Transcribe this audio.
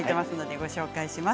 ご紹介します。